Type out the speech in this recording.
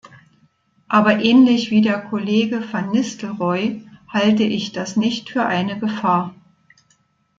Aber ähnlich wie der Kollege van Nistelrooij halte ich das nicht für eine Gefahr.